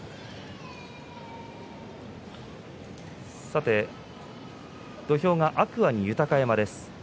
さて、土俵が天空海に豊山です。